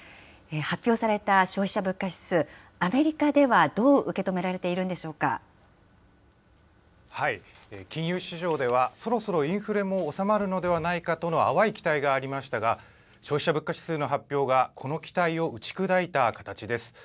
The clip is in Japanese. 発表された消費者物価指数、アメリカではどう受け止められている金融市場では、そろそろインフレも収まるのではないかとの淡い期待がありましたが、消費者物価指数の発表が、この期待を打ち砕いた形です。